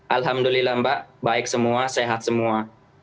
alhamdulillah mbak baik semua sehat semua